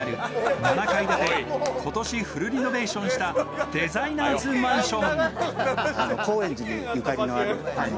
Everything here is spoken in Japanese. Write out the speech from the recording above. こちらが高円寺エリアにある７階建て今年フルリノベーションしたデザイナーズマンション。